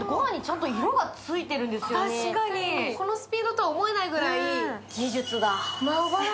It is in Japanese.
このスピードとは思えないぐらい。